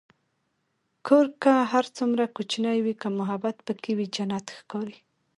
کور که هر څومره کوچنی وي، که محبت پکې وي، جنت ښکاري.